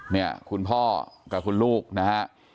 เนี่ยคุณพ่อกับคุณลูกนะฮะ